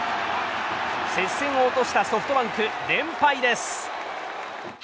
接戦を落としたソフトバンク連敗です。